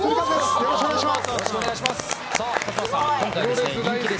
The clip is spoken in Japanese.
よろしくお願いします。